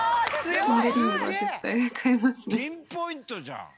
ピンポイントじゃん。